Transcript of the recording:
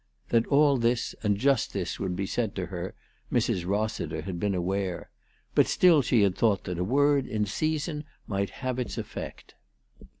That all this and just this would be said to her Mrs. Eossi'ter had been, aware ; but still she had thought that a word in season might have its effect.